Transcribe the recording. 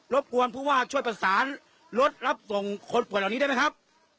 บกวนผู้ว่าช่วยประสานรถรับส่งคนป่วยเหล่านี้ได้ไหมครับ